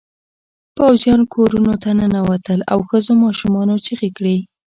پوځيان کورونو ته ننوتل او ښځو ماشومانو چیغې کړې.